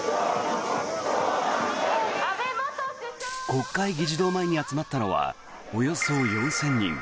国会議事堂前に集まったのはおよそ４０００人。